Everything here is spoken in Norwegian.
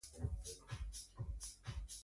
Dei galnaste seier sannast